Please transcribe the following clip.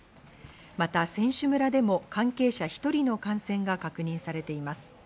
また選手村でも関係者１人の感染が確認されています。